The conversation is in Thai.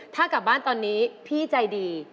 ถ้ากลับบ้านตอนนี้พี่ใจดี